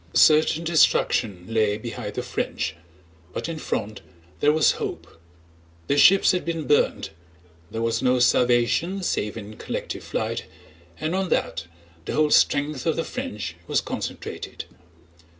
Certain destruction lay behind the French but in front there was hope. Their ships had been burned, there was no salvation save in collective flight, and on that the whole strength of the French was concentrated.